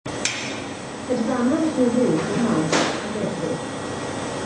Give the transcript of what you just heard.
Hedfana'r gwryw rhwng Mawrth ac Ebrill.